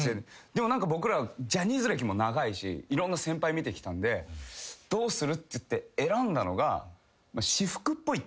でも僕らジャニーズ歴も長いしいろんな先輩見てきたんでどうするって言って選んだのが。